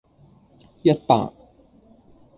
一百